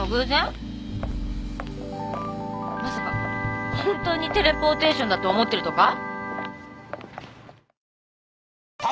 まさかホントにテレポーテーションだと思ってるとか？